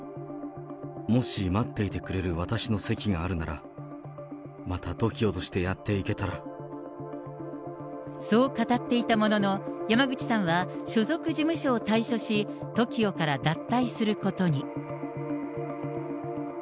もし待っていてくれる私の席があるなら、またＴＯＫＩＯとしてやそう語っていたものの、山口さんは、所属事務所を退所し、ＴＯＫＩＯから脱退することに。